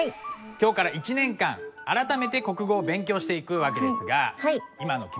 今日から１年間あらためて国語を勉強していく訳ですが今の気持ちは？